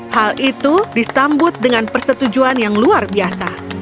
hal itu disambut dengan persetujuan yang luar biasa